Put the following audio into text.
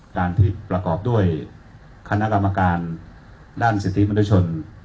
การที่ประกอบด้วยคณะกรรมการด้านสิทธิมนุษยชน